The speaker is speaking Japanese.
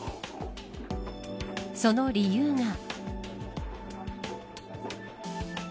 その理由が。